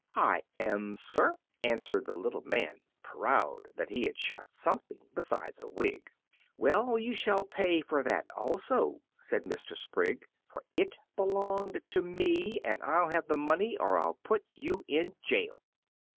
"I am, sir," answered the little man, proud that he had shot something besides a wig. "Well, you shall pay for that also," said Mr. Sprigg; "for it belonged to me, and I'll have the money or I'll put you in jail!"